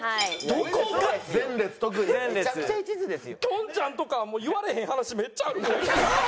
きょんちゃんとか言われへん話めっちゃある。